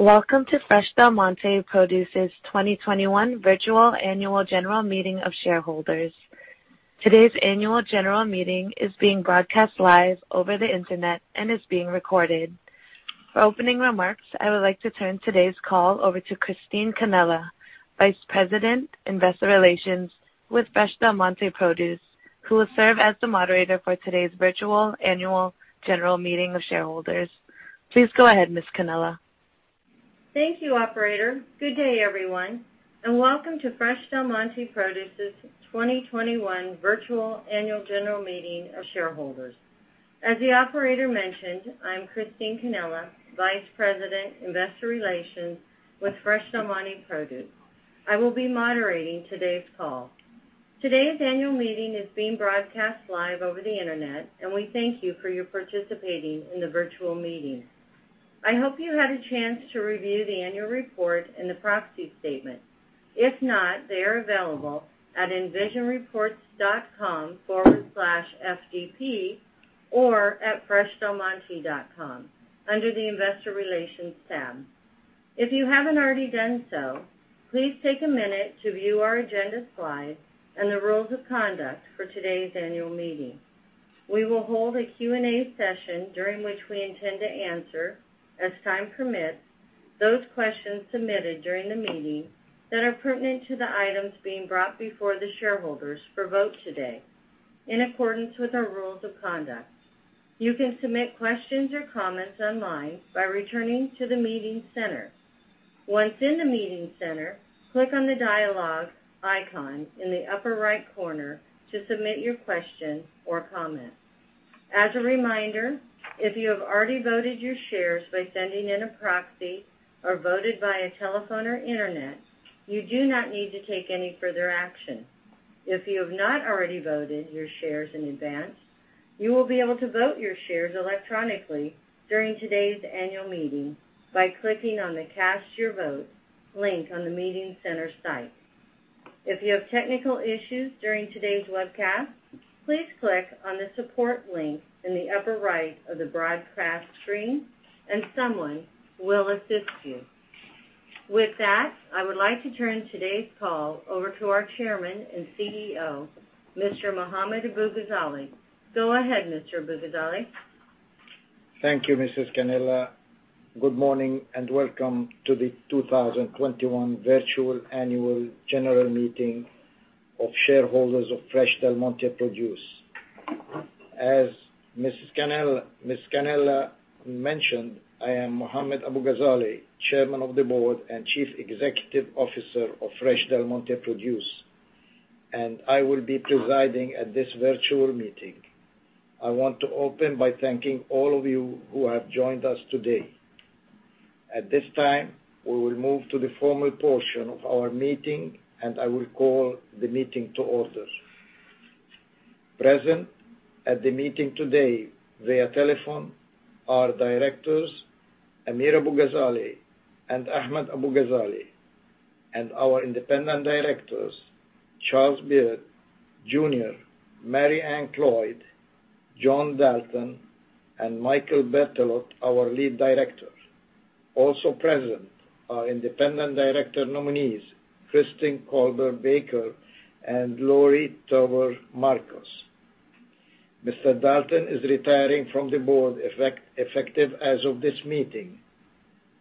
Welcome to Fresh Del Monte Produce's 2021 Virtual Annual General Meeting of Shareholders. Today's annual general meeting is being broadcast live over the internet and is being recorded. For opening remarks, I would like to turn today's call over to Christine Cannella, Vice President, Investor Relations with Fresh Del Monte Produce, who will serve as the moderator for today's virtual annual general meeting of shareholders. Please go ahead, Ms. Cannella. Thank you, operator. Good day, everyone, and welcome to Fresh Del Monte Produce's 2021 virtual annual general meeting of shareholders. As the operator mentioned, I'm Christine Cannella, Vice President, Investor Relations with Fresh Del Monte Produce. I will be moderating today's call. Today's annual meeting is being broadcast live over the internet, and we thank you for your participating in the virtual meeting. I hope you had a chance to review the annual report and the proxy statement. If not, they are available at envisionreports.com/fdp or at freshdelmonte.com under the Investor Relations tab. If you haven't already done so, please take a minute to view our agenda slides and the rules of conduct for today's annual meeting. We will hold a Q&A session during which we intend to answer, as time permits, those questions submitted during the meeting that are pertinent to the items being brought before the shareholders for vote today, in accordance with our rules of conduct. You can submit questions or comments online by returning to the meeting center. Once in the meeting center, click on the dialogue icon in the upper right corner to submit your question or comment. As a reminder, if you have already voted your shares by sending in a proxy or voted via telephone or internet, you do not need to take any further action. If you have not already voted your shares in advance, you will be able to vote your shares electronically during today's annual meeting by clicking on the Cast Your Vote link on the meeting center site. If you have technical issues during today's webcast, please click on the support link in the upper right of the broadcast screen and someone will assist you. With that, I would like to turn today's call over to our Chairman and CEO, Mr. Mohammad Abu-Ghazaleh. Go ahead, Mr. Abu-Ghazaleh. Thank you, Ms. Cannella. Good morning and welcome to the 2021 virtual annual general meeting of shareholders of Fresh Del Monte Produce. As Ms. Cannella mentioned, I am Mohammad Abu-Ghazaleh, Chairman of the Board and Chief Executive Officer of Fresh Del Monte Produce, and I will be presiding at this virtual meeting. I want to open by thanking all of you who have joined us today. At this time, we will move to the formal portion of our meeting, and I will call the meeting to order. Present at the meeting today via telephone are directors Amir Abu-Ghazaleh and Ahmad Abu-Ghazaleh, and our independent directors, Charles Beard Jr., Mary Ann Cloyd, John Dalton, and Michael Berthelot, our lead director. Also present are independent director nominees Kristin Colber-Baker and Lori Tauber Marcus. Mr. Dalton is retiring from the board effective as of this meeting.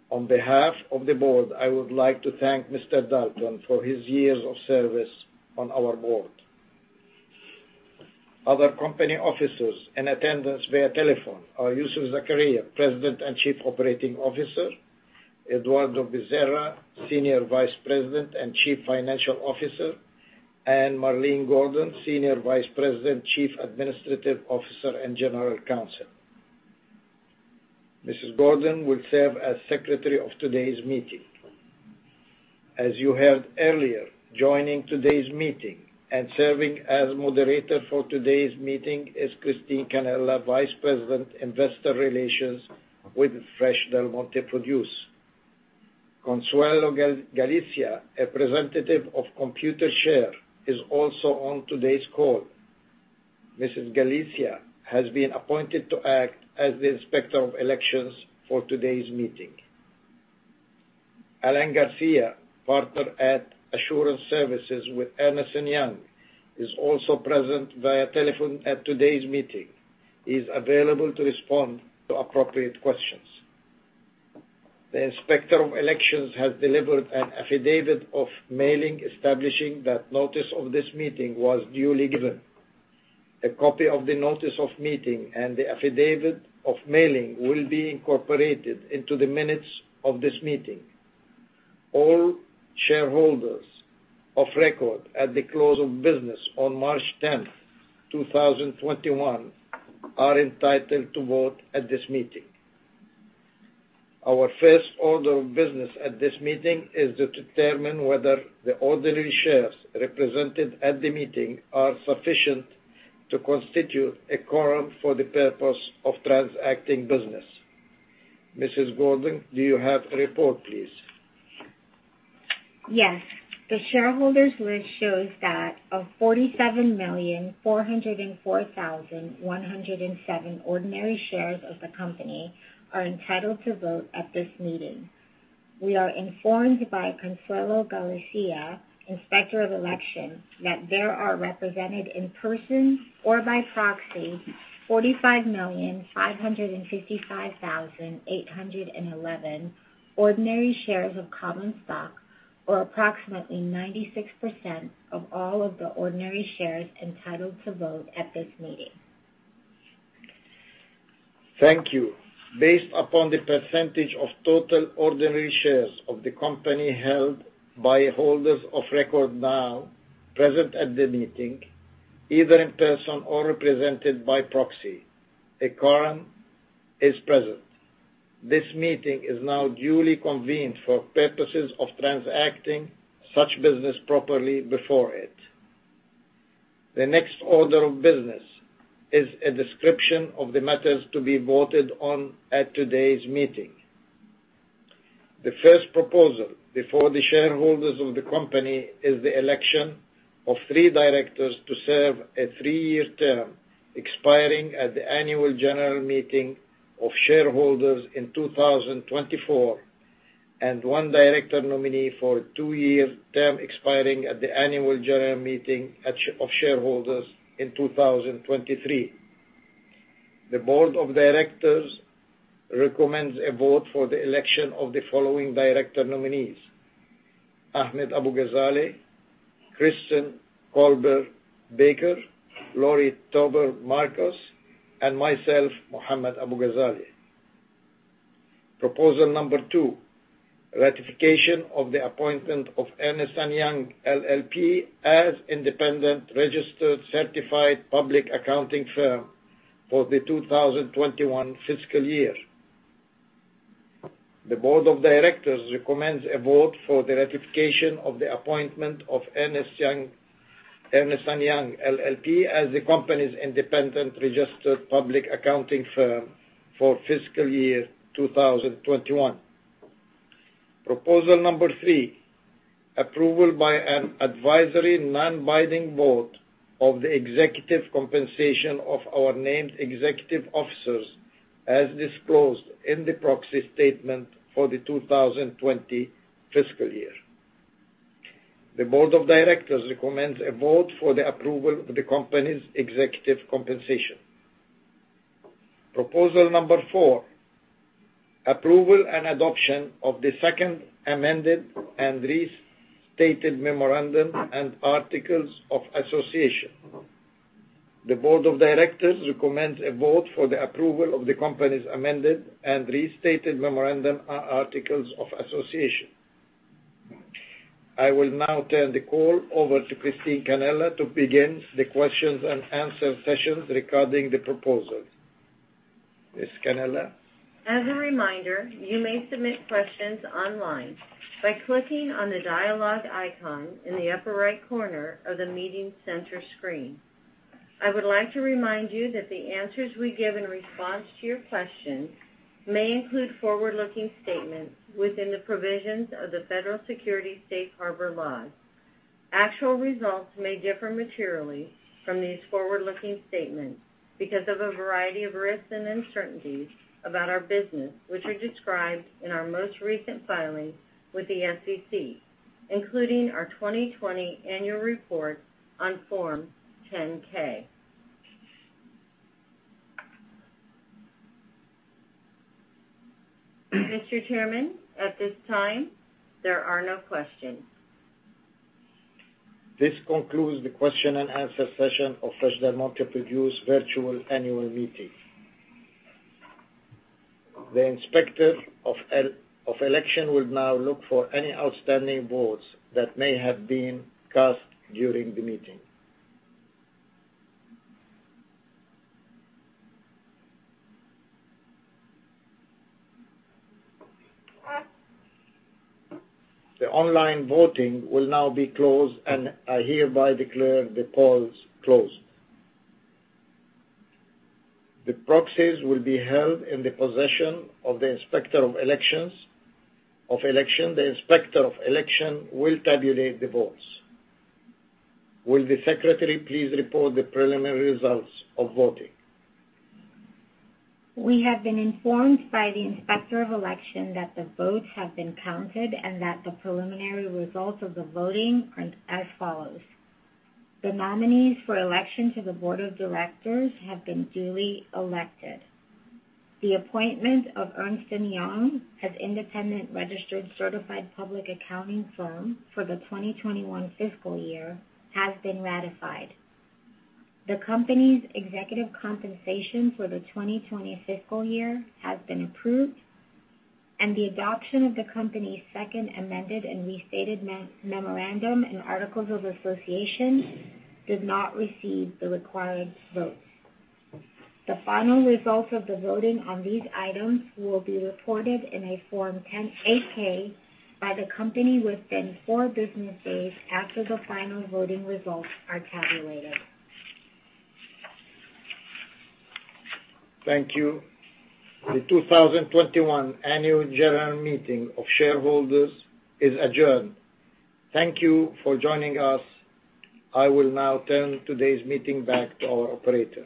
On behalf of the board, I would like to thank Mr. Dalton for his years of service on our board. Other company officers in attendance via telephone are Youssef Zakharia, President and Chief Operating Officer, Eduardo Bezerra, Senior Vice President and Chief Financial Officer, and Marlene Gordon, Senior Vice President, Chief Administrative Officer, and General Counsel. Mrs. Gordon will serve as secretary of today's meeting. As you heard earlier, joining today's meeting and serving as moderator for today's meeting is Christine Cannella, Vice President, Investor Relations with Fresh Del Monte Produce. Consuelo Galicia, a representative of Computershare, is also on today's call. Mrs. Galicia has been appointed to act as the Inspector of Elections for today's meeting. Alain Garcia, partner at Assurance Services with Ernst & Young, is also present via telephone at today's meeting. He is available to respond to appropriate questions. The Inspector of Elections has delivered an affidavit of mailing establishing that notice of this meeting was duly given. A copy of the notice of meeting and the affidavit of mailing will be incorporated into the minutes of this meeting. All shareholders of record at the close of business on March 10th, 2021, are entitled to vote at this meeting. Our first order of business at this meeting is to determine whether the ordinary shares represented at the meeting are sufficient to constitute a quorum for the purpose of transacting business. Mrs. Gordon, do you have a report, please? Yes. The shareholders list shows that of 47,404,107 ordinary shares of the company are entitled to vote at this meeting. We are informed by Consuelo Galicia, Inspector of Election, that there are represented in person or by proxy 45,555,811 ordinary shares of common stock, or approximately 96% of all of the ordinary shares entitled to vote at this meeting. Thank you. Based upon the percentage of total ordinary shares of the company held by holders of record now present at the meeting, either in person or represented by proxy, a quorum is present. This meeting is now duly convened for purposes of transacting such business properly before it. The next order of business is a description of the matters to be voted on at today's meeting. The first proposal before the shareholders of the company is the election of three directors to serve a three-year term expiring at the annual general meeting of shareholders in 2024, and one director nominee for a two-year term expiring at the annual general meeting of shareholders in 2023. The board of directors recommends a vote for the election of the following director nominees, Ahmad Abu-Ghazaleh, Kristin Colber-Baker, Lori Tauber Marcus, and myself, Mohammad Abu-Ghazaleh. Proposal number two, ratification of the appointment of Ernst & Young LLP as independent registered certified public accounting firm for the 2021 fiscal year. The board of directors recommends a vote for the ratification of the appointment of Ernst & Young LLP as the company's independent registered public accounting firm for fiscal year 2021. Proposal number three, approval by an advisory non-binding vote of the executive compensation of our named executive officers as disclosed in the proxy statement for the 2020 fiscal year. The board of directors recommends a vote for the approval of the company's executive compensation. Proposal number four, approval and adoption of the second amended and restated memorandum and articles of association. The board of directors recommends a vote for the approval of the company's amended and restated memorandum, articles of association. I will now turn the call over to Christine Cannella to begin the questions and answer sessions regarding the proposals. Ms. Cannella? As a reminder, you may submit questions online by clicking on the dialogue icon in the upper right corner of the meeting center screen. I would like to remind you that the answers we give in response to your questions may include forward-looking statements within the provisions of the Federal Securities Safe Harbor laws. Actual results may differ materially from these forward-looking statements because of a variety of risks and uncertainties about our business, which are described in our most recent filings with the SEC, including our 2020 annual report on Form 10-K. Mr. Chairman, at this time, there are no questions. This concludes the question and answer session of Fresh Del Monte Produce Virtual Annual Meeting. The Inspector of Election will now look for any outstanding votes that may have been cast during the meeting. The online voting will now be closed, and I hereby declare the polls closed. The proxies will be held in the possession of the Inspector of Election. The Inspector of Election will tabulate the votes. Will the secretary please report the preliminary results of voting? We have been informed by the Inspector of Election that the votes have been counted and that the preliminary results of the voting are as follows: The nominees for election to the board of directors have been duly elected. The appointment of Ernst & Young as independent registered certified public accounting firm for the 2021 fiscal year has been ratified. The company's executive compensation for the 2020 fiscal year has been approved, and the adoption of the company's second amended and restated memorandum and articles of association did not receive the required votes. The final results of the voting on these items will be reported in a Form 8-K by the company within four business days after the final voting results are tabulated. Thank you. The 2021 Annual General Meeting of Shareholders is adjourned. Thank you for joining us. I will now turn today's meeting back to our operator.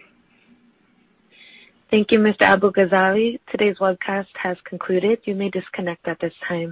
Thank you, Mr. Abu-Ghazaleh. Today's webcast has concluded. You may disconnect at this time.